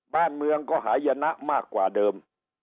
บ้านเมืองก็หายนะมากกว่าเดิม